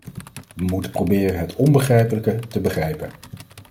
We moeten proberen het onbegrijpelijke te begrijpen.